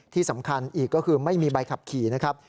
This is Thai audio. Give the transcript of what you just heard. ที่สำคัญอีกก็คือไม่มีใบขับขี่นะครับ